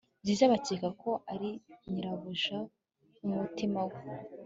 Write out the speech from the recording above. Byiza bakeka ko ari nyirabuja wumutima we